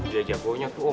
dia jagonya tuh om